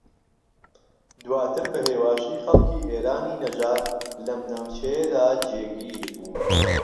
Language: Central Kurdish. دواتر بە ھێواشی خەڵکی ئێرانی نەژاد لەم ناوچەیەدا جێگیر بوون